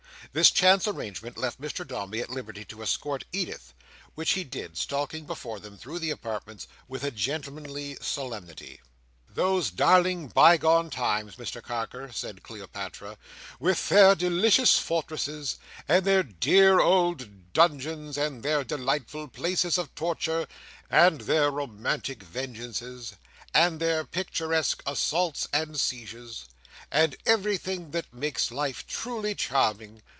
This chance arrangement left Mr Dombey at liberty to escort Edith: which he did: stalking before them through the apartments with a gentlemanly solemnity. "Those darling byegone times, Mr Carker," said Cleopatra, "with their delicious fortresses, and their dear old dungeons, and their delightful places of torture, and their romantic vengeances, and their picturesque assaults and sieges, and everything that makes life truly charming!